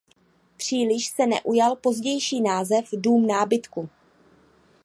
Příliš se neujal pozdější název "Dům nábytku".